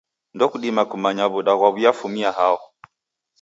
Ndokudima kumanya w'uda ghwaw'iafumia hao.